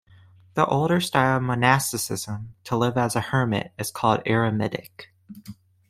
The older style of monasticism, to live as a hermit, is called eremitic.